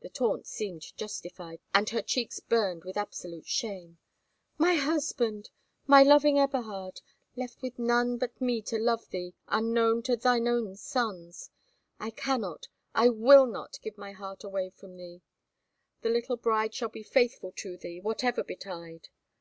The taunt seemed justified, and her cheeks burned with absolute shame "My husband! my loving Eberhard! left with none but me to love thee, unknown to thine own sons! I cannot, I will not give my heart away from thee! Thy little bride shall be faithful to thee, whatever betide.